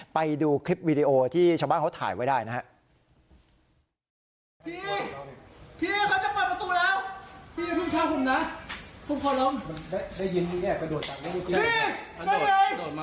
ไปดูคลิปวีดีโอที่ชาวบ้านเขาถ่ายไว้ได้นะครับ